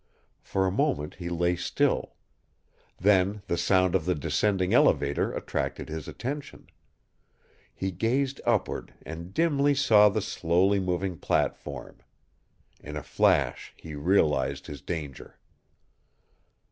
For a moment he lay still. Then the sound of the descending elevator attracted his attention. He gazed upward and dimly saw the slowly moving platform. In a flash he realized his danger.